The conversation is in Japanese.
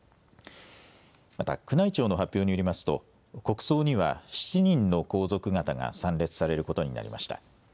また宮内庁の発表によりますと国葬には７人の皇族方が参列されることになりました。